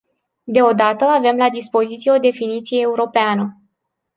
Deodată, avem la dispoziție o definiție europeană.